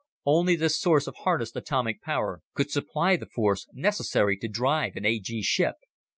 Only this source of harnessed atomic power could supply the force necessary to drive an A G ship.